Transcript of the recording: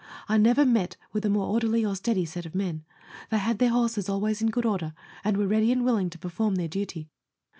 I never met with a more orderly or steady set of men ; they had their horses always in good order, and were ready and willing to perform their duty.